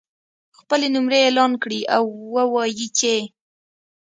خپلې نمرې اعلان کړي او ووایي چې